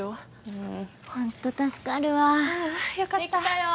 うんホント助かるわああよかったできたよ